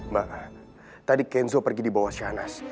mbak tadi kenzo pergi dibawa shanas